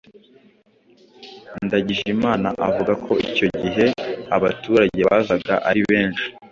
Ndagijimana avuga ko icyo gihe abaturage bazaga ari benshi